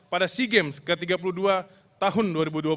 pada sea games ke tiga puluh dua tahun dua ribu dua puluh